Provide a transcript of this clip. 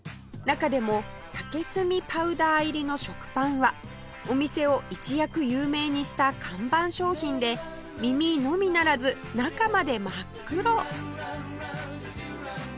中でも竹炭パウダー入りの食パンはお店を一躍有名にした看板商品で耳のみならず中まで真っ黒！